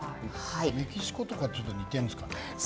メキシコなどと似ているんですかね。